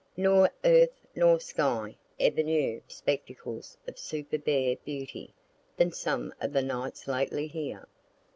Nor earth nor sky ever knew spectacles of superber beauty than some of the nights lately here.